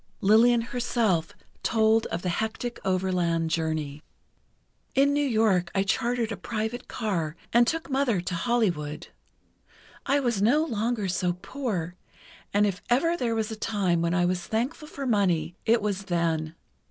Lillian herself told of the hectic overland journey: "In New York I chartered a private car and took Mother to Hollywood. I was no longer so poor, and if ever there was a time when I was thankful for money it was then.